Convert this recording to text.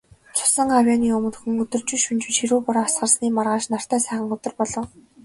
Цусан гавьяаны өмнөхөн, өдөржин, шөнөжин ширүүн бороо асгарсны маргааш нартай сайхан өдөр болов.